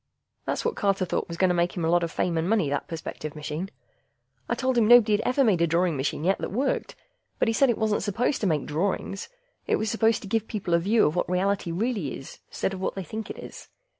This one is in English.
That's what Carter thought was going to make him a lot of fame and money, that perspective machine. I told him nobody'd ever made a drawing machine yet that worked, but he said it wasn't supposed to make drawings. It was just supposed to give people a view of what reality really is, instead of what they think it is.